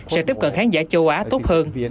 sẽ tiếp cận khán giả châu á tốt hơn